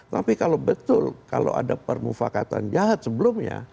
tapi kalau betul kalau ada permufakatan jahat sebelumnya